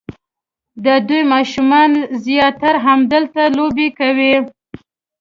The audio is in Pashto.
د دوی ماشومان زیاتره همدلته لوبې کوي.